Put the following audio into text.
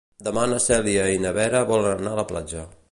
Demà na Cèlia i na Vera volen anar a la platja.